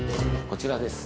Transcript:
こちらです